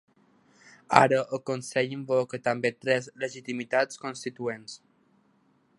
Ara, el consell invoca també tres legitimitats constituents.